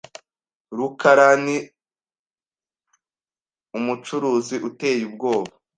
rukarani umucuruzi uteye ubwoba.